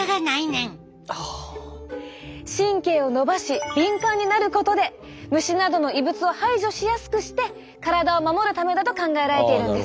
神経を伸ばし敏感になることで虫などの異物を排除しやすくして体を守るためだと考えられているんです。